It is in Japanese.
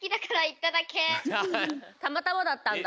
たまたまだったんだ。